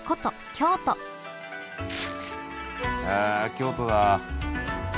京都だ。